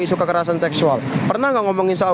isu kekerasan seksual pernah nggak ngomongin soal